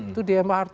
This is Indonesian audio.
itu di mrt